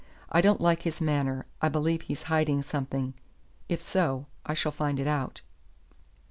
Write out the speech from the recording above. I don't like his manner; I believe he's hiding something. If so, I shall find it out."